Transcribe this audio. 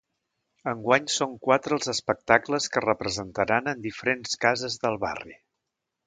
Enguany són quatre els espectacles que es representaran en diferents cases del barri.